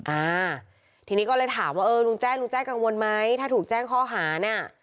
อ่าทีนี้ก็เลยถามว่าเออลุงแจ้งลุงแจ้งกังวลไหมถ้าถูกแจ้งข้อหาน่ะ